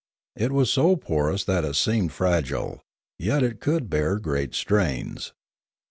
It was so porous that it seemed fragile, and yet it could bear great strains.